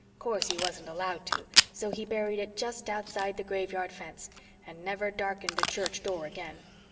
Course, he wasn't allowed to; so he buried it just outside the graveyard fence, and never darkened the church door again.